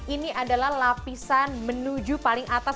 ini adalah lapisan menuju paling atas